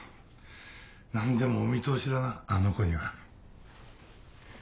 何でもお見通しだなあの子には。